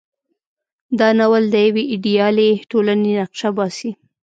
دا ناول د یوې ایډیالې ټولنې نقشه باسي.